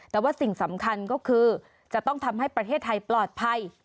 แต่ว่าสิ่งสำคัญก็คือจะต้องทำให้ประเทศไทยปลอดภัย